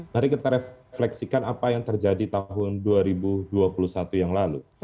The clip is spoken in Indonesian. mari kita refleksikan apa yang terjadi tahun dua ribu dua puluh satu yang lalu